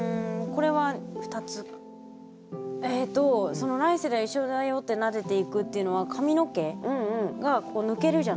その「来世では一緒だよって撫でてゆく」っていうのは髪の毛が抜けるじゃないですか。